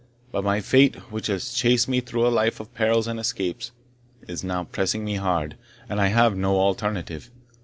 But my fate, which has chased me through a life of perils and escapes, is now pressing me hard, and I have no alternative."